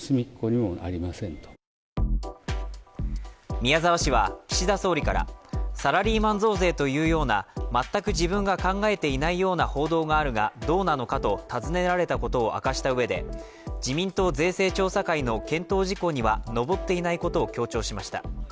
宮沢氏は岸田総理からサラリーマン増税というような全く自分が考えていないような報道があるがどうなのかと尋ねられたことを明かしたうえで、自民党税制調査会の検討事項には上っていないことを強調しました。